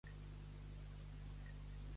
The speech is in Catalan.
A qui no fa mal, per persona de bé se'l té.